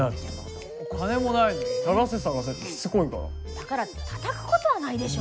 だからってたたくことはないでしょ。